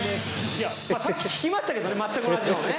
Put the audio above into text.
いやさっき聞きましたけどね全く同じのをね。